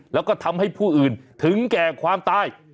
แล้วก็ทำให้ผู้อื่นถึงแก่ความตาย